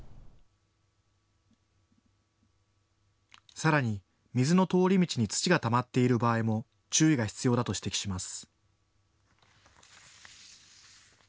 さらに水の通り道に土がたまっている場合も注意が必要だと指摘します。